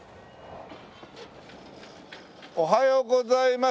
おはようございます。